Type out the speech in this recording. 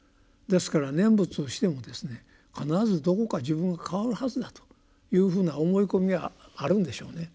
ですから念仏をしてもですね必ずどこか自分が変わるはずだというふうな思い込みがあるんでしょうね。